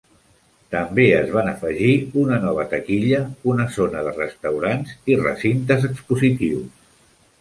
També es van afegir una nova taquilla, una zona de restaurants i recintes expositius.